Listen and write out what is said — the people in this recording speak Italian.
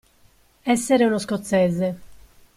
Essere uno scozzese.